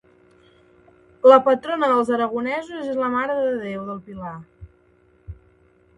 La patrona dels aragonesos és la Mare de Déu del Pilar.